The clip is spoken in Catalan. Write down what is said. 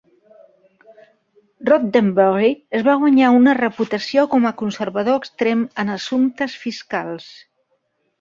Roddenbery es va guanyar una reputació com a conservador extrem en assumptes fiscals.